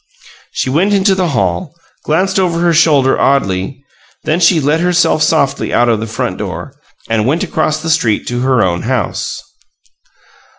She went into the hall, glanced over her shoulder oddly; then she let herself softly out of the front door, and went across the street to her own house.